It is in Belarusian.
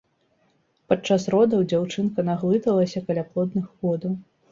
Падчас родаў дзяўчынка наглыталася каляплодных водаў.